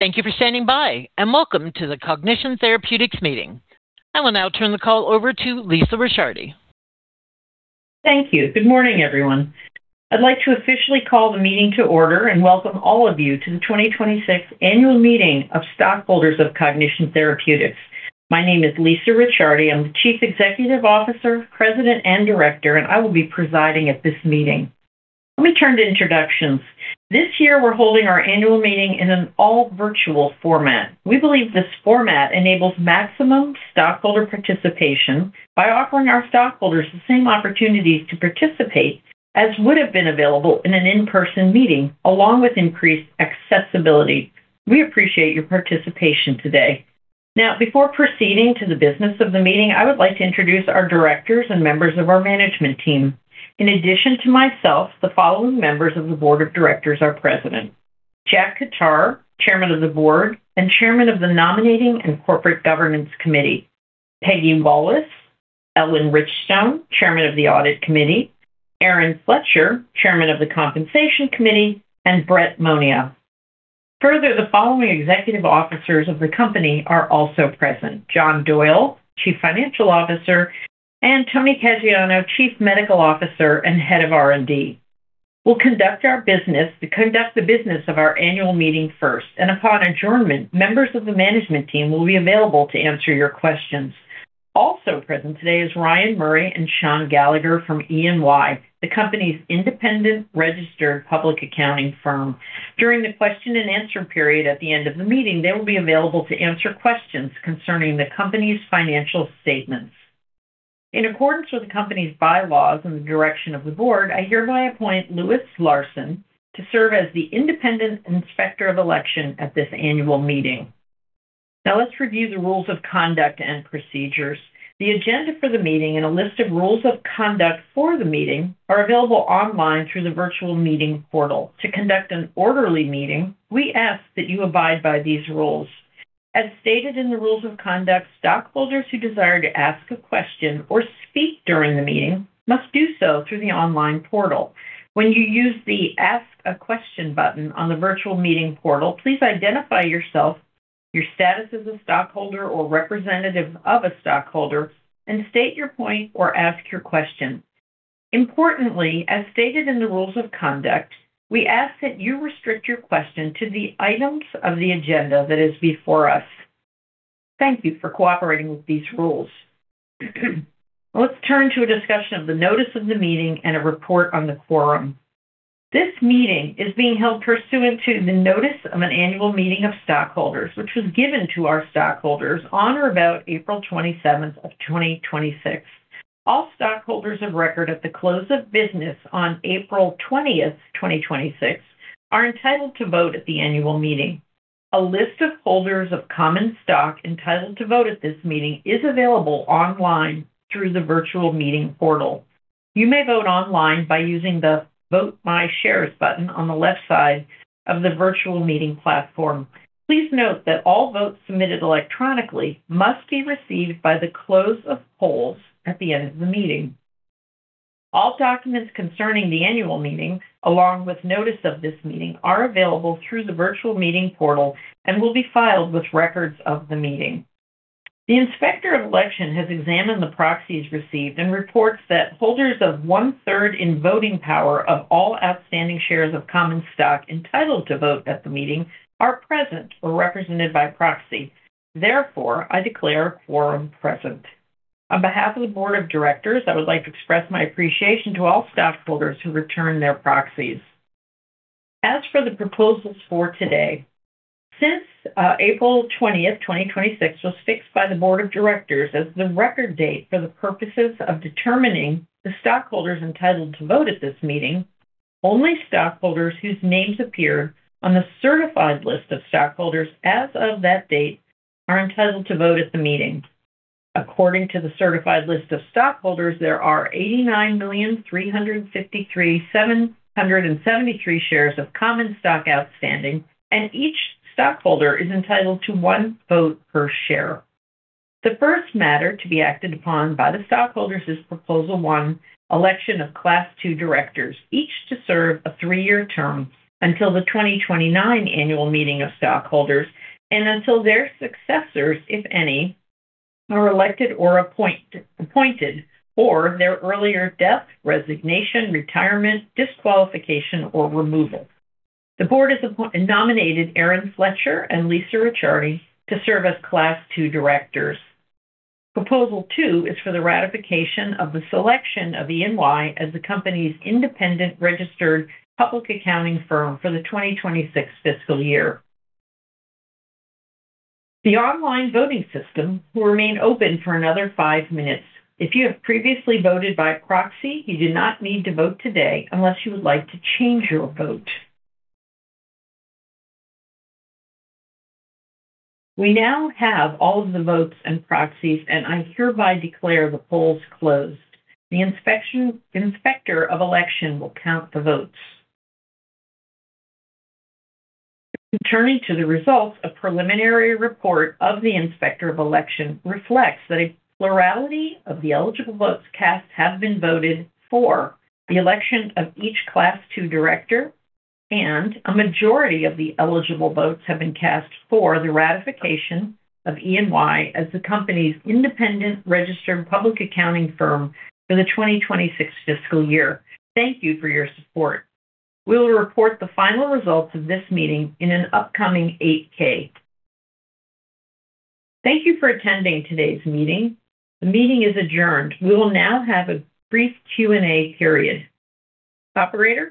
Thank you for standing by, and welcome to the Cognition Therapeutics meeting. I will now turn the call over to Lisa Ricciardi. Thank you. Good morning, everyone. I'd like to officially call the meeting to order and welcome all of you to the 2026 annual meeting of stockholders of Cognition Therapeutics. My name is Lisa Ricciardi. I'm the Chief Executive Officer, President, and Director, and I will be presiding at this meeting. Let me turn to introductions. This year, we're holding our annual meeting in an all-virtual format. We believe this format enables maximum stockholder participation by offering our stockholders the same opportunities to participate as would've been available in an in-person meeting, along with increased accessibility. We appreciate your participation today. Now, before proceeding to the business of the meeting, I would like to introduce our directors and members of our management team. In addition to myself, the following members of the board of directors are present: Jack Khattar, Chairman of the board and Chairman of the nominating and Corporate governance committee, Peggy Wallace, Ellen Richstone, Chairman of the audit committee, Aaron Fletcher, Chairman of the compensation committee, and Brett Monia. Further, the following executive officers of the company are also present: John Doyle, Chief Financial Officer, and Anthony Caggiano, Chief Medical Officer and Head of R&D. We'll conduct the business of our annual meeting first, and upon adjournment, members of the management team will be available to answer your questions. Also present today is Ryan Murray and Sean Gallagher from EY, the company's independent registered public accounting firm. During the question and answer period at the end of the meeting, they will be available to answer questions concerning the company's financial statements. In accordance with the company's bylaws and the direction of the board, I hereby appoint Louis Larson to serve as the independent inspector of election at this annual meeting. Now let's review the rules of conduct and procedures. The agenda for the meeting and a list of rules of conduct for the meeting are available online through the virtual meeting portal. To conduct an orderly meeting, we ask that you abide by these rules. As stated in the rules of conduct, stockholders who desire to ask a question or speak during the meeting must do so through the online portal. When you use the Ask a Question button on the virtual meeting portal, please identify yourself, your status as a stockholder or representative of a stockholder, and state your point or ask your question. Importantly, as stated in the rules of conduct, we ask that you restrict your question to the items of the agenda that is before us. Thank you for cooperating with these rules. Let's turn to a discussion of the notice of the meeting and a report on the quorum. This meeting is being held pursuant to the notice of an annual meeting of stockholders, which was given to our stockholders on or about April 27th, 2026. All stockholders of record at the close of business on April 20th, 2026, are entitled to vote at the annual meeting. A list of holders of common stock entitled to vote at this meeting is available online through the virtual meeting portal. You may vote online by using the Vote My Shares button on the left side of the virtual meeting platform. Please note that all votes submitted electronically must be received by the close of polls at the end of the meeting. All documents concerning the annual meeting, along with notice of this meeting, are available through the virtual meeting portal and will be filed with records of the meeting. The inspector of election has examined the proxies received and reports that holders of one-third in voting power of all outstanding shares of common stock entitled to vote at the meeting are present or represented by proxy. Therefore, I declare a quorum present. On behalf of the board of directors, I would like to express my appreciation to all stockholders who returned their proxies. As for the proposals for today, since April 20th, 2026 was fixed by the board of directors as the record date for the purposes of determining the stockholders entitled to vote at this meeting, only stockholders whose names appear on the certified list of stockholders as of that date are entitled to vote at the meeting. According to the certified list of stockholders, there are 89,353,773 shares of common stock outstanding, and each stockholder is entitled to one vote per share. The first matter to be acted upon by the stockholders is proposal one, election of class two directors, each to serve a three-year term until the 2029 annual meeting of stockholders and until their successors, if any, are elected or appointed or their earlier death, resignation, retirement, disqualification, or removal. The board has nominated Aaron Fletcher and Lisa Ricciardi to serve as class two directors. Proposal two is for the ratification of the selection of EY as the company's independent registered public accounting firm for the 2026 fiscal year. The online voting system will remain open for another five minutes. If you have previously voted by proxy, you do not need to vote today unless you would like to change your vote. We now have all of the votes and proxies, and I hereby declare the polls closed. The inspector of election will count the votes. Turning to the results, a preliminary report of the inspector of election reflects that a plurality of the eligible votes cast have been voted for the election of each class two director, and a majority of the eligible votes have been cast for the ratification of EY as the company's independent registered public accounting firm for the 2026 fiscal year. Thank you for your support. We will report the final results of this meeting in an upcoming 8-K. Thank you for attending today's meeting. The meeting is adjourned. We will now have a brief Q&A period. Operator?